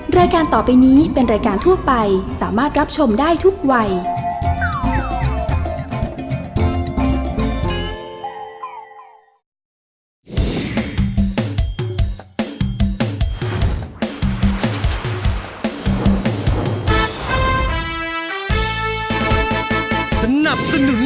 รายการต่อไปนี้เป็นรายการทั่วไปสามารถรับชมได้ทุกวัย